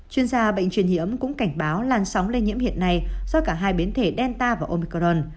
chuyên gia bệnh truyền nhiễm cũng cảnh báo làn sóng lây nhiễm hiện nay do cả hai biến thể delta và omicron